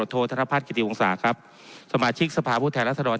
โทษธรรมภาษณ์กิจวงศาครับสมาชิกสภาพผู้แทนรัฐธรรม